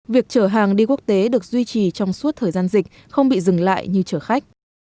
việc chở hàng đi quốc tế được duy trì trong suốt thời gian dịch không bị dừng lại như chở khách